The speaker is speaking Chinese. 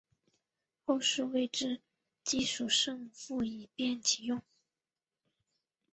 后世为之机抒胜复以便其用。